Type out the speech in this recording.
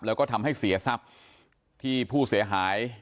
แล้วก็ทำให้เสียทรัพย์ที่ผู้เสียหาย